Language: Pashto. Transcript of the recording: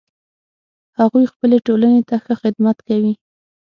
هغوی خپلې ټولنې ته ښه خدمت کوي